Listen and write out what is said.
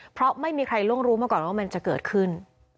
เพราะไม่มีใครล่วงรู้มาก่อนว่ามันจะเกิดขึ้น